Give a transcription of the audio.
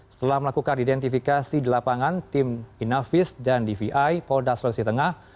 setelah melakukan identifikasi di lapangan tim inavis dan dvi polda sulawesi tengah